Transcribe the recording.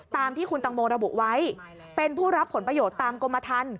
ตามที่คุณตังโมระบุไว้เป็นผู้รับผลประโยชน์ตามกรมทัน